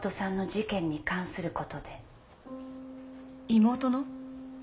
妹の？